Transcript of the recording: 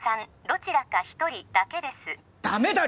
どちらか一人だけですダメだ！